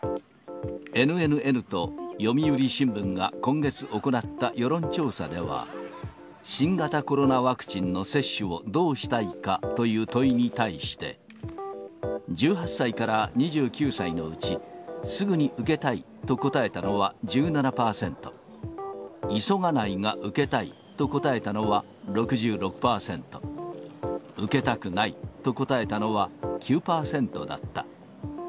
ＮＮＮと読売新聞が今月行った世論調査では、新型コロナワクチンの接種をどうしたいかという問いに対して、１８歳から２９歳のうち、すぐに受けたいと答えたのは１７％、急がないが受けたいと答えたのは６６％、受けたくないと答えたのは９％だった。